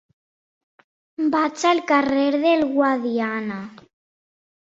Vaig al carrer del Guadiana.